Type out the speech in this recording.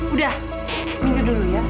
udah minggu dulu ya